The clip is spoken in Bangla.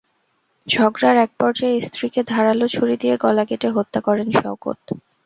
ঝগড়ার একপর্যায়ে স্ত্রীকে ধারালো ছুরি দিয়ে গলা কেটে হত্যা করেন শওকত।